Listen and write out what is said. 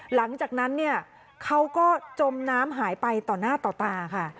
หลังจากนั้นเนี่ยเขาก็จมน้ำหายไปต่อหน้าต่อตาค่ะ